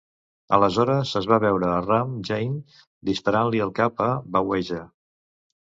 Aleshores es va veure a Ram Jaane disparant-li al cap a Baweja.